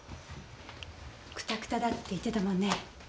クタクタだって言ってたもんね。